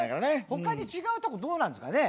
他に違うとこどうなんですかね？